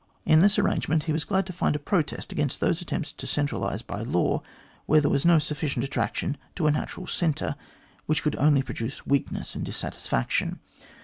In this arrangement he was glad to find a protest against those attempts to centralise by law where there was no sufficient attraction to a natural centre, which could only produce weakness and dissatisfaction.